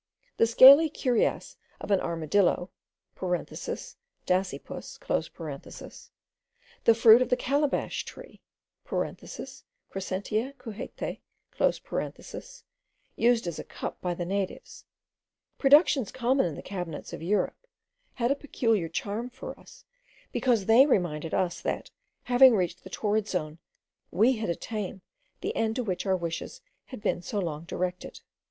The scaly cuirass of an armadillo (Dasypus), the fruit of the Calabash tree (Crescentia cujete), used as a cup by the natives, productions common in the cabinets of Europe, had a peculiar charm for us, because they reminded us that, having reached the torrid zone, we had attained the end to which our wishes had been so long directed.